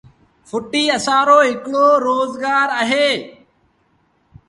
ڦُٽيٚ اسآݩ رو هڪڙو روز گآر اهي